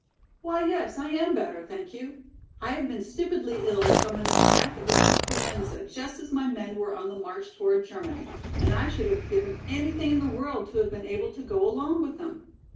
"Why, yes, I am better, thank you. I have been stupidly ill from an attack of influenza just as my men were on the march toward Germany and I should have given anything in the world to have been able to go along with them.